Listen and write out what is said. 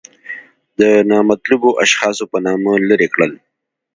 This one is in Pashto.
د نامطلوبو اشخاصو په نامه لرې کړل.